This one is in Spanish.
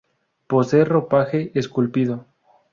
Posee ropaje esculpido.